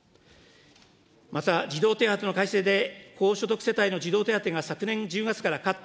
また児童手当の改正で、高所得世帯の児童手当が昨年１０月からカット。